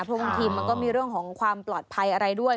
เพราะบางทีมันก็มีเรื่องของความปลอดภัยอะไรด้วย